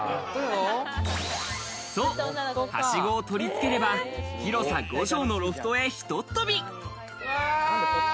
そう、はしごを取り付ければ広さ５帖のロフトへひとっ飛び。